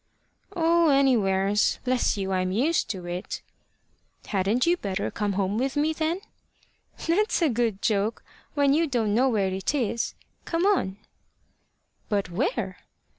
"Oh, anywheres. Bless you, I'm used to it." "Hadn't you better come home with me, then?" "That's a good joke, when you don't know where it is. Come on." "But where?"